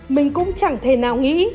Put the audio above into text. mình cũng chẳng thể nào nghĩ